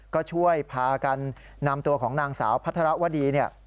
ก็ช่วยพากันนำตัวของนางสาวพัฒระวดี